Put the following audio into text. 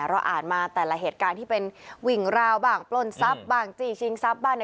เราอ่านมาแต่ละเหตุการณ์ที่เป็นวิ่งราวบ้างปล้นทรัพย์บ้างจี้ชิงทรัพย์บ้าง